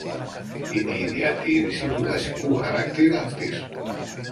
είναι η διατήρηση του δασικού χαρακτήρα αυτής